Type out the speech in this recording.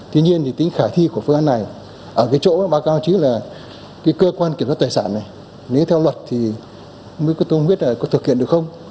tuy nhiên thì tính khả thi của phương án này ở cái chỗ bác cao trí là cơ quan kiểm soát tài sản này nếu theo luật thì tôi không biết là có thực hiện được không